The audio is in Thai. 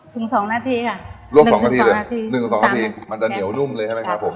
ถึงสองนาทีค่ะลวกสองนาทีเลยนาทีหนึ่งกับสองนาทีมันจะเหนียวนุ่มเลยใช่ไหมครับผม